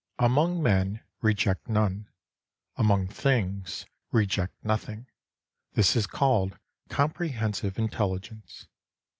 Among men, reject none ; among things, reject nothing. This is called comprehensive intelligence.